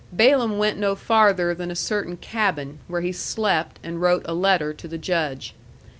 Balaam went no farther than a certain cabin, where he slept, and wrote a letter to the Judge.